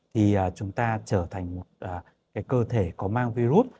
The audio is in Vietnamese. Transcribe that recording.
thì chúng ta trở thành một cơ thể có mang virus